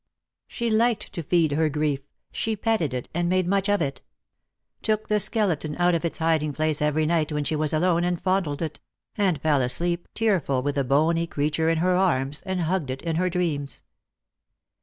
She liked to feed her grief; she petted it, and made much of it ; took the skeleton out of its hiding place every night when she was alone, and fondled it ; and fell asleep tearful with the bony creature in her arms, and hugged it in her dreams.